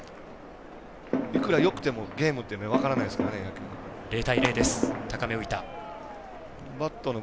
いくらよくてもゲームって分からないですから野球の。